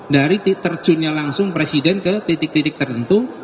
dari terjunnya langsung presiden ke titik titik tertentu